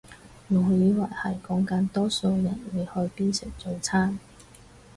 我以為係講緊多數人會去邊食早餐